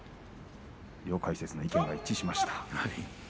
両解説の意見が一致しました。